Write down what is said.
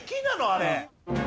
あれ。